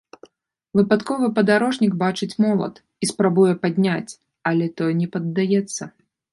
Выпадковы падарожнік бачыць молат і спрабуе падняць, але той не паддаецца.